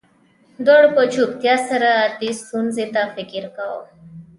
دواړو په چوپتیا سره دې ستونزې ته فکر کاوه